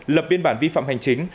lập biên bản vi phạm hành chính